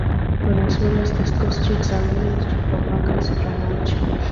On Australia's east coast, chicks are raised from August through March.